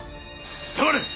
「黙れ！」